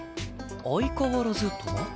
「相変わらず」とは？